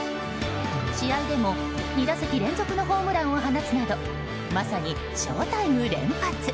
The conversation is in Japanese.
試合でも２打席連続のホームランを放つなどまさに、ＳＨＯ‐ＴＩＭＥ連発！